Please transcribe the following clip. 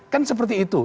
kan seperti itu